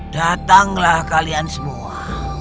datanglah kalian semua